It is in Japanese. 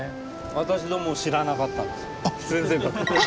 私どもも知らなかったんですよ